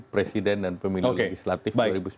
presiden dan pemilu legislatif dua ribu sembilan belas